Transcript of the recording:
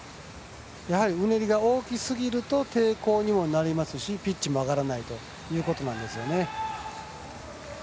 やはり、うねりが大きすぎると抵抗にもなりますしピッチも上がらないということなんですよね。